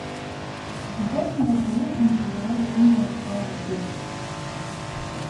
It does not appear in the Laura Ingalls Wilder books.